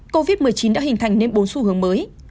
covid một mươi chín đã hình thành nên bốn xu hướng mới